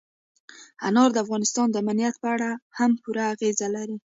انار د افغانستان د امنیت په اړه هم پوره اغېز لري.